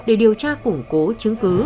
để điều tra củng cố chứng cứ